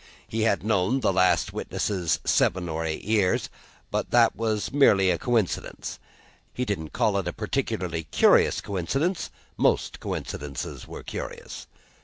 He had known the last witness seven or eight years; that was merely a coincidence. He didn't call it a particularly curious coincidence; most coincidences were curious.